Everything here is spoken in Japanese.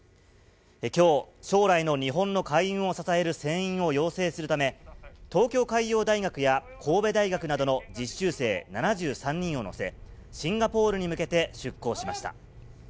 きょう、将来の日本の海運を支える船員を養成するため、東京海洋大学や神戸大学などの実習生７３人を乗せ、シンガポールに向けて出港しました。